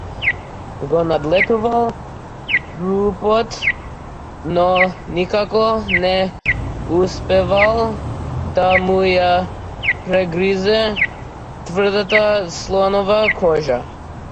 Го надлетувал трупот, но никако не успевал да му ја прегризе тврдата слонова кожа.